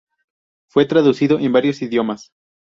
Fue traducido en varios idiomas.